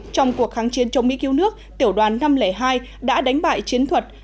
trong cuộc kháng chiến chống mỹ cứu nước tiểu đoàn năm trăm linh hai đã đánh bại chiến thuật